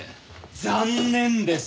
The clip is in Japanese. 残念です。